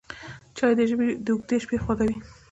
چای د ژمي اوږدې شپې خوږوي